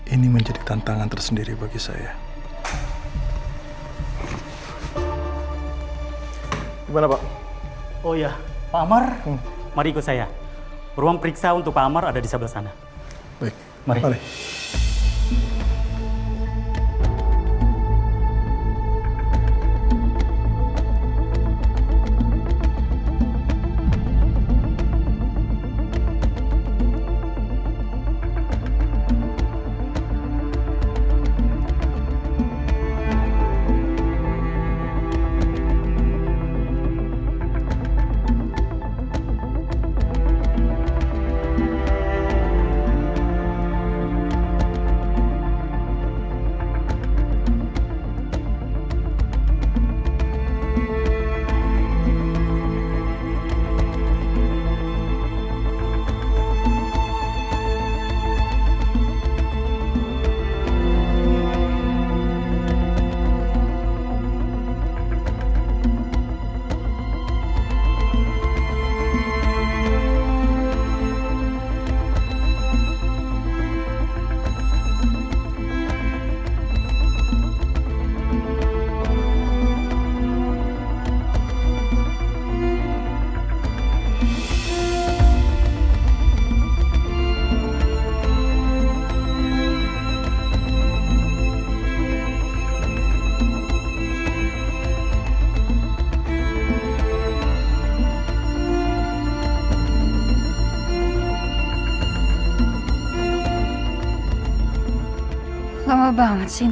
ini menjadi tantangan tersendiri bagi saya